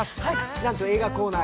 なんと映画コーナー